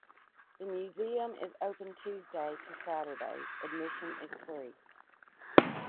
The Museum is open Tuesdays to Saturdays, admission is free.